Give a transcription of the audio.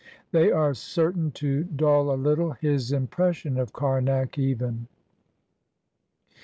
They are certain to dull a little his impression of Kamak even.